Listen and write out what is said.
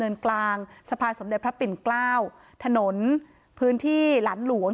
เนินกลางสภายสมเดพระปิ่นเกล้าถนนพื้นที่หลันหลวง